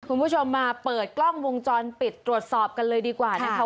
คุณผู้ชมมาเปิดกล้องวงจรปิดตรวจสอบกันเลยดีกว่านะคะ